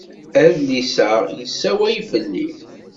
Adlis-a yessawal fell-i.